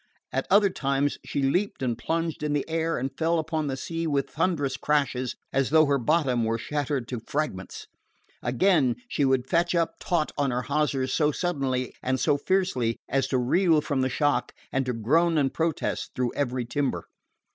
At other times she leaped and plunged in the air and fell upon the seas with thunderous crashes as though her bottom were shattered to fragments. Again, she would fetch up taut on her hawsers so suddenly and so fiercely as to reel from the shock and to groan and protest through every timber.